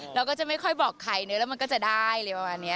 เราก็จะไม่ค่อยบอกใครเนอะแล้วมันก็จะได้อะไรประมาณนี้